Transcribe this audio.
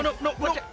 nuh nuh nuh